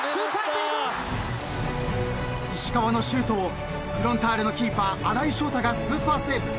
［石川のシュートをフロンターレのキーパー新井章太がスーパーセーブ］